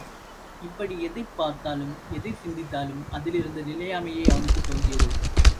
இப்படி எதைப் பார்த்தாலும் எதைச் சிந்தித்தாலும் அதிலிருந்து நிலையாமையே அவனுக்குத் தோன்றியது.